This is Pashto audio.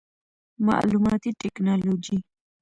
معلوماتي ټکنالوجي